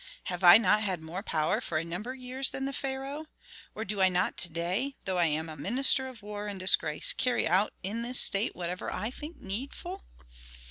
Have I not had more power for a number of years than the pharaoh? Or do I not to day, though I am a minister of war in disgrace, carry out in this state whatever I think needful?